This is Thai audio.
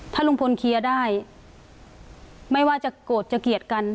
ถ้าลุงพลเคลียร์ได้ไม่ว่าจะโกรธจะเกลียดกัน